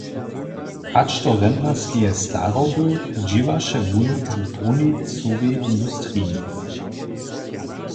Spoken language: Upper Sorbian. Hač do rentnarskeje staroby dźěłaše wón w brunicowej industriji.